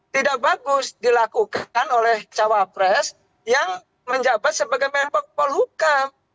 tidak bagus dilakukan oleh cawapres yang menjabat sebagai menko polhukam